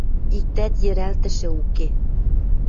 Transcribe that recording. Иктӓт йӹралтӹшӹ уке.